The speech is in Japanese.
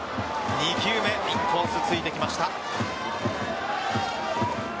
２球目インコース突いてきました。